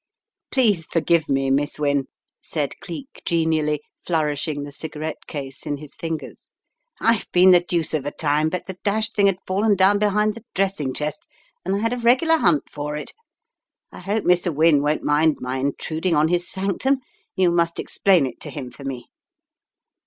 "Please forgive me, Miss Wynne," said Cleek, genially, flourishing the cigarette case in his fingers. "I've been the deuce of a time, but the dashed thing had fallen down behind the dressing chest, and I had a regular hunt for it. I hope Mr. Wynne won't mind my intruding on his sanctum. You must explain it to him for me."